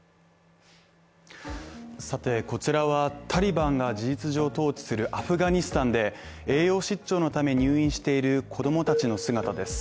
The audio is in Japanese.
さてこちらはタリバンが事実上統治するアフガニスタンで栄養失調のため入院している子供たちの姿です。